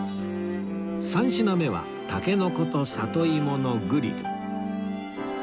３品目は筍と里芋のグリル